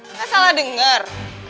enggak salah denger